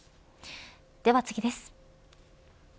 では次です。